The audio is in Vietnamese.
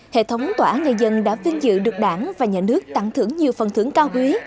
hệ thống tòa án nhân dân đã vinh dự được đảng và nhà nước tặng thưởng nhiều phần thưởng cao quý